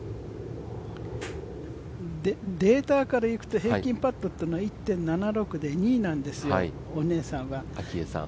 データからいくと、平均パットっていうのは、１．７６で２位なんですよ、お姉さんが。